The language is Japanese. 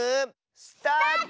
スタート！